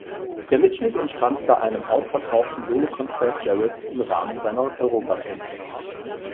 Der Mitschnitt entstand bei einem ausverkauften Solokonzert Jarretts im Rahmen seiner Europatournee.